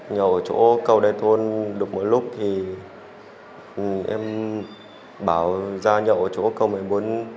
nhậu ở chỗ cầu đài thôn được một lúc thì em bảo ra nhậu ở chỗ cầu mà thúy